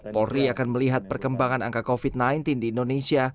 polri akan melihat perkembangan angka covid sembilan belas di indonesia